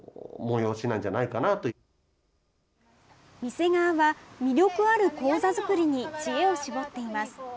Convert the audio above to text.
店側は、魅力ある講座作りに知恵を絞っています。